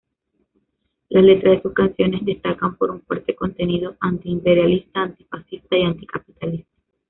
Las letras de su canciones destacan por un fuerte contenido anti-imperilista, anti-fascista, y anti-capitalista.